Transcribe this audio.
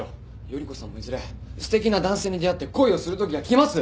依子さんもいずれすてきな男性に出会って恋をするときが来ます。